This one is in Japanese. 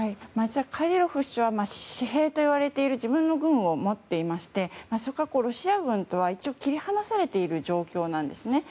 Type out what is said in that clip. カディロフ首長は私兵といわれている自分の軍を持っていましてロシア軍とは一応、切り離されている状況なんですね。